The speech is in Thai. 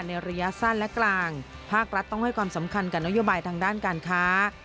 ระยะสั้นและกลางภาครัฐต้องให้ความสำคัญกับนโยบายทางด้านการค้า